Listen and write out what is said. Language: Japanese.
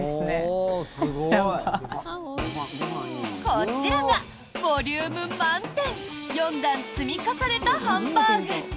こちらがボリューム満点４段積み重ねたハンバーグ。